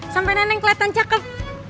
sampai neneng kelihatan cakep